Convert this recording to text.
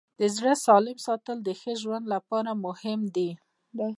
د زړه سالم ساتل د ښه ژوند لپاره مهم دي.